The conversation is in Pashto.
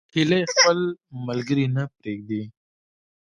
هیلۍ خپل ملګري نه پرېږدي